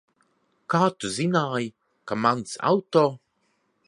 Kā tu zināji, ka mans auto?